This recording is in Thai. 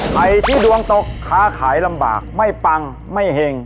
ใครที่ดวงตกค้าขายลำบากไม่ปังไม่เห็ง